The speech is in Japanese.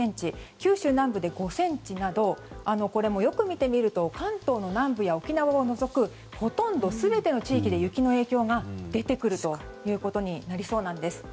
九州南部で５ｃｍなどよく見てみると関東の南部や沖縄を除くほとんど全ての地域で雪の影響が出てくるということになりそうなんです。